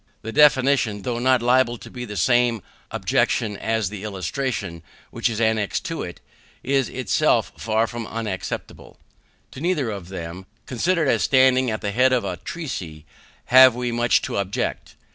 The definition, though not liable to the same objection as the illustration which is annexed to it, is itself far from unexceptionable. To neither of them, considered as standing at the head of a treatise, have we much to object.